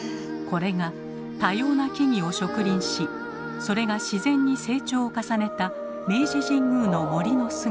これが多様な木々を植林しそれが自然に成長を重ねた明治神宮の森の姿。